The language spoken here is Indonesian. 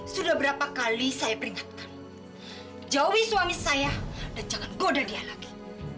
sudah berapa kali saya peringatkan jauhi suami saya dan jangan goda dia lagi